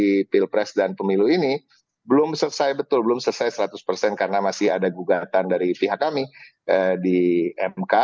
di pilpres dan pemilu ini belum selesai betul belum selesai seratus persen karena masih ada gugatan dari pihak kami di mk